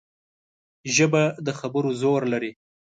ژبه د خبرو زور لري